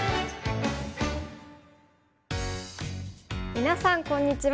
みなさんこんにちは。